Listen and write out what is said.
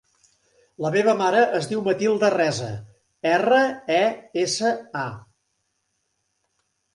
La meva mare es diu Matilda Resa: erra, e, essa, a.